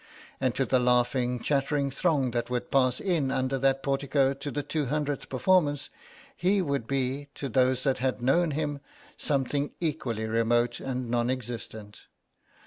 And to the laughing chattering throng that would pass in under that portico to the 200th performance, he would be, to those that had known him, something equally remote and non existent.